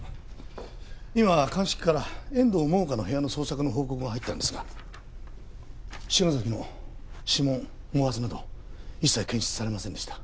今鑑識から遠藤桃花の部屋の捜索の報告が入ったんですが篠崎の指紋毛髪など一切検出されませんでした。